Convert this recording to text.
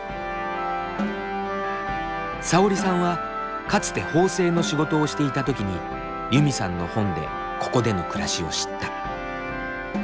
さおりさんはかつて縫製の仕事をしていたときにユミさんの本でここでの暮らしを知った。